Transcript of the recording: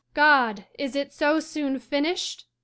A WOMAN God, is it so soon finished?